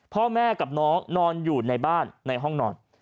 พ่อแม่กับน้องนอนอยู่ในบ้านในห้องนอน